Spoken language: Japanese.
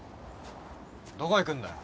どこ行くんだよ。